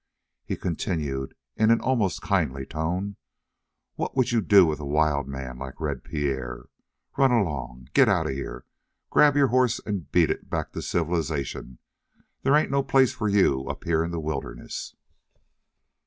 He continued in an almost kindly tone: "What would you do with a wild man like Red Pierre? Run along; git out of here; grab your horse, and beat it back to civilization; there ain't no place for you up here in the wilderness."